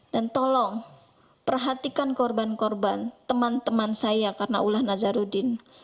dan tolong perhatikan korban korban teman teman saya karena ulah nazarudin